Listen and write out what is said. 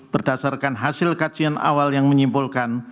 berdasarkan hasil kajian awal yang menyimpulkan